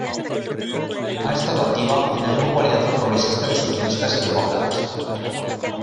Ha estado activa en el grupo Alianza Progresista de Socialistas y Demócratas.